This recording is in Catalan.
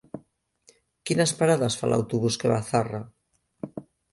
Quines parades fa l'autobús que va a Zarra?